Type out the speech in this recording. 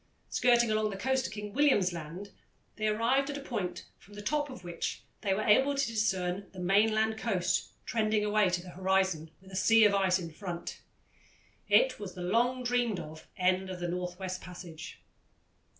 Skirting along the coast of King William's Land, they arrived at a point from the top of which they were able to discern the mainland coast trending away to the horizon, with a sea of ice in front. It was the long dreamed of end of the North West Passage.